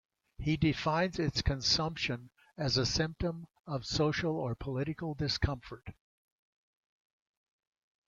He defines its consumption as a symptom of a social or political discomfort.